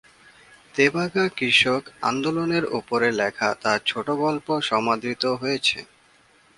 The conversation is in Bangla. তেভাগা কৃষক আন্দোলনের ওপরে লেখা তাঁর ছোটগল্প সমাদৃত হয়েছে।